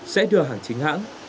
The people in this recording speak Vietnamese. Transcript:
sẽ đưa hàng chính hãng